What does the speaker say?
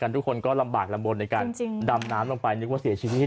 ทุกคนก็ลำบากลำบลในการดำน้ำลงไปนึกว่าเสียชีวิต